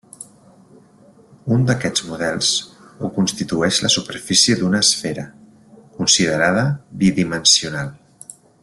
Un d'aquests models ho constitueix la superfície d'una esfera, considerada bidimensional.